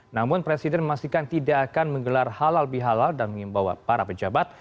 namun presiden memastikan tidak akan menggelar halal bihalal dan mengimbau para pejabat